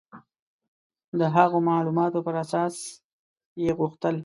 د هغو معلوماتو په اساس یې غوښتل.